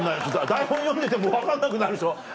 台本読んでても分かんなくなるでしょ。